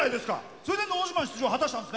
それで「のど自慢」出場を果たしたんですね。